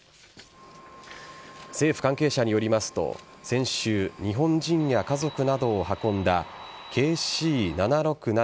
政府関係者によりますと先週、日本人や家族などを運んだＫＣ‐７６７